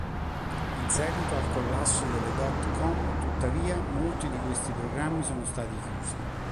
In seguito al collasso delle dot-com, tuttavia, molti di questi programmi sono stati chiusi.